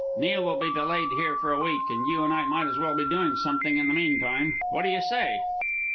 "Neil will be delayed here for a week, and you and I might as well be doing something in the meantime. What do you say?"